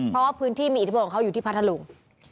เพราะว่าพื้นที่มีอิทธิพลเขาอยู่ที่พัทธลุง